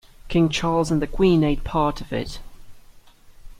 King Charles and the Queen ate part of it.